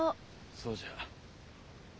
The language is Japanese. そうじゃ。